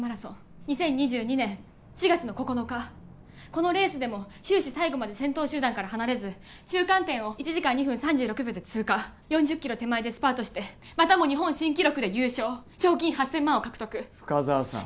このレースでも終始最後まで先頭集団から離れず中間点を１時間２分３６秒で通過４０キロ手前でスパートしてまたも日本新記録で優勝賞金８０００万を獲得深沢さん